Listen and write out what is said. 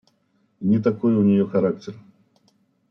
Не такой у нее характер.